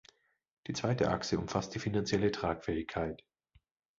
Die zweite Achse umfasst die finanzielle Tragfähigkeit.